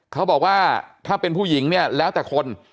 เขาบอกว่าถ้าเป็นผู้หญิงเนี่ยแล้วแต่คน